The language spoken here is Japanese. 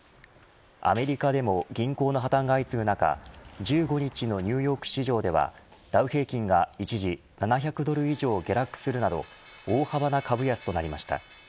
アメリカでも銀行の破綻が相次ぐ中１５日のニューヨーク市場ではダウ平均が一時７００ドル以上下落するなど大幅な株安となりました。